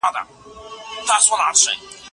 ایا روژه د دوزخ اور سړوي؟